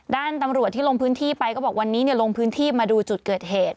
ด้านตำรวจที่ลงพื้นที่ไปก็บอกวันนี้ลงพื้นที่มาดูจุดเกิดเหตุ